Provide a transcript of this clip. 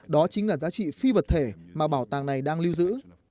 đó chính là giá trị phi vật thể mà bảo tàng louvre